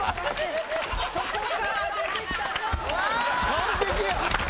「完璧や！